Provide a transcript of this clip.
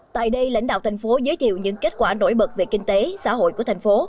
tại đây lãnh đạo thành phố giới thiệu những kết quả nổi bật về kinh tế xã hội của thành phố